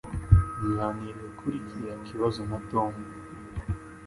Naganiriye kuri kiriya kibazo na Tom